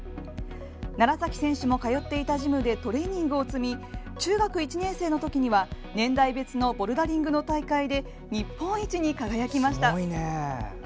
楢崎選手も通っていたジムでトレーニングを積み中学１年生の時には年代別のボルダリングの大会で日本一に輝きました。